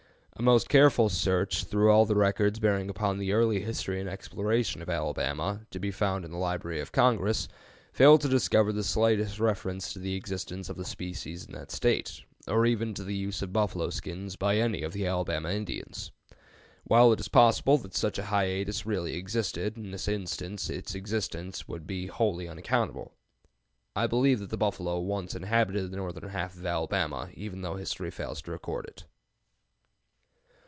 A most careful search through all the records bearing upon the early history and exploration of Alabama, to be found in the Library of Congress, failed to discover the slightest reference to the existence of the species in that State, or even to the use of buffalo skins by any of the Alabama Indians. While it is possible that such a hiatus really existed, in this instance its existence would be wholly unaccountable. I believe that the buffalo once inhabited the northern half of Alabama, even though history fails to record it.